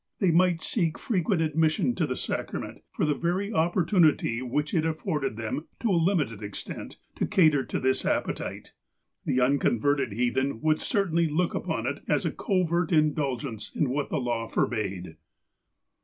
Many might seek frequent admission to the sacrament, for the very opportunity which it afforded them, to a limited extent, to cater to this appetite. The unconverted heathen would certainly look upon it as a covert indulgence in what the law for bade.